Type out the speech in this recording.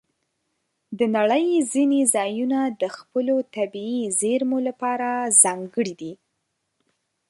د نړۍ ځینې ځایونه د خپلو طبیعي زیرمو لپاره ځانګړي دي.